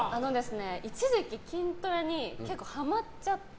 一時期筋トレにハマっちゃって。